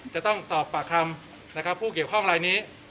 จะต้องสอบปากคำนะครับผู้เกี่ยวข้องลายนี้